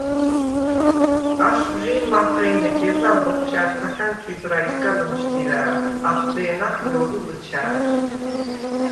აშხვჟი̄ნ მაჰვრე̄ნე გეზალ ბოფშა̈რცახა̈ნ ტვიბრაისგა ლჷმშდირა̄̈ლ. ახდე̄ნახ ჲორი ლჷჩა̄̈ჟ.